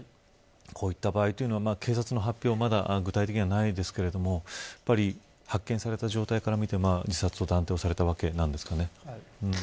こういった場合というのは警察の発表はまだ具体的にはないですけど発見された状態から見て自殺と断定されたわけなんですよね。